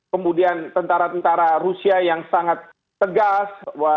kemudian tentara tentara rusia yang sangat tegas